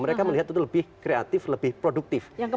mereka melihat itu lebih kreatif lebih produktif